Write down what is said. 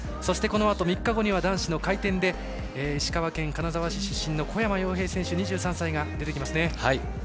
このあと３日後には男子の回転で石川県金沢市出身の小山陽平選手、２３歳が出てきますね。